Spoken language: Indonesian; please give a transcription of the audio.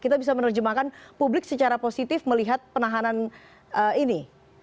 kita bisa menerjemahkan publik secara positif melihat penahanan ini